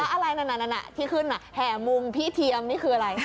อะไรนั่นที่ขึ้นแห่มุมพี่เทียมนี่คืออะไร